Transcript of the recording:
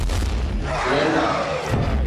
Grenada